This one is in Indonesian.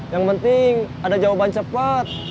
yang penting ada jawaban cepat